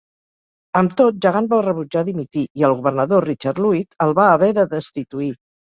Amb tot, Jagan va rebutjar dimitir i el governador Richard Luyt el va haver de destituir.